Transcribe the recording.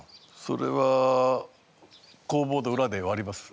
それは工房の裏で割ります。